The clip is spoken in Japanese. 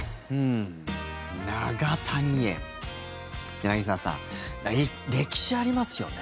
柳澤さん、歴史ありますよね。